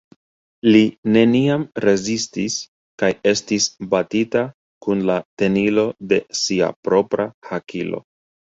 Li neniam rezistis kaj estis batita kun la tenilo de sia propra hakilo.